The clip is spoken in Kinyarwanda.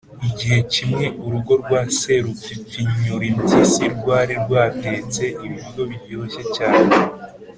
igihe kimwe urugo rwa serupfipfinyurimpyisi rwari rwatetse ibiryo biryoshye cyane.